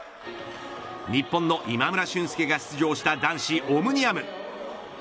日本の今村駿介が出場した男子オムニアム。